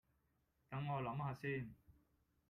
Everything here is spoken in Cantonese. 等我諗吓先